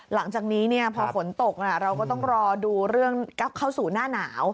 หลังจากนี้พอฝนตกเราก็ต้องรอดูเรื่องเข้าสู่หน้าหนาว